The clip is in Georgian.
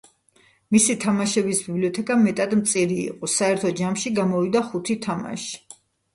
მისი თამაშების ბიბლიოთეკა მეტად მწირი იყო, საერთო ჯამში გამოვიდა ხუთი თამაში.